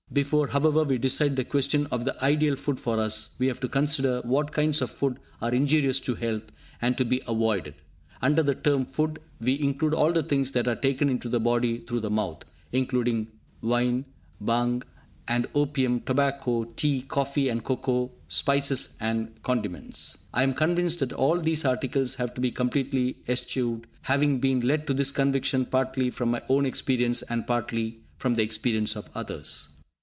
Before, however, we decide the question of the ideal food for us, we have to consider what kinds of food are injurious to health, and to be avoided. Under the term "food", we include all the things that are taken into the body through the mouth, including wine, bhang and opium, tobacco, tea, coffee and cocoa, spices and condiments. I am convinced that all these articles have to be completely eschewed, having been led to this conviction partly from my own experience, and partly from the experiences of others.